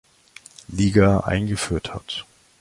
Liga eingeführt hat.